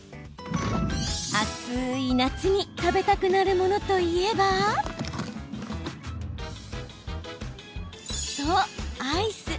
暑い夏に食べたくなるものといえばそう、アイス。